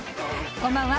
こんばんは。